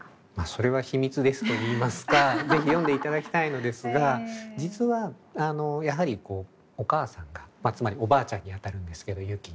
それは秘密ですといいますか是非読んでいただきたいのですが実はやはりお母さんがつまりおばあちゃんにあたるんですけど雪の。